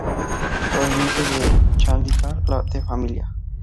Proveniente de Chandigarh, de familia sij.